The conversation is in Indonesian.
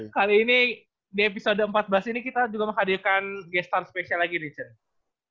kali ini di episode empat belas ini kita juga menghadirkan guest star spesial lagi nih can